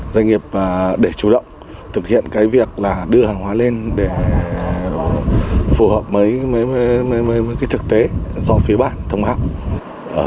doanh nghiệp để chủ động thực hiện việc đưa hàng hóa lên để phù hợp với thực tế do phía bạn thông báo